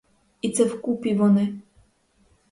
І це вкупі вони!